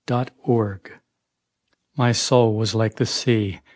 THE MOON My soul was like the sea.